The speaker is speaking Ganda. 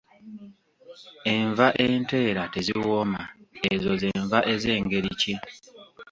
Enva enteera teziwooma. Ezo ze nva ez'engeri ki?